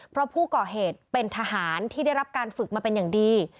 เพราะผู้ก่อเหตุเป็นทหารที่ได้รับการฝึกมาเป็นอย่างดี